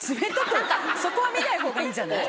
そこは見ない方がいいんじゃない？